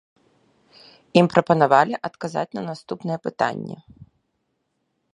Ім прапанавалі адказаць на наступныя пытанні.